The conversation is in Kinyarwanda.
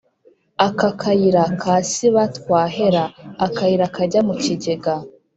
Aka kayira kasiba twahwera-Akayira kajya mu kigega.